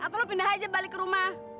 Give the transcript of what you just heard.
atau lo pindah aja balik ke rumah